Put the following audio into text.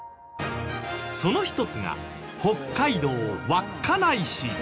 その一つが北海道稚内市。